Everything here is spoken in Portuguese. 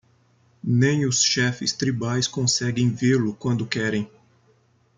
Nem os chefes tribais conseguem vê-lo quando querem.